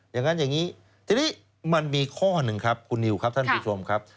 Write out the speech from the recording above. อย่างนั้นอย่างนี้ทีนี้มันมีข้อหนึ่งครับคุณนิวครับท่านผู้ชมครับ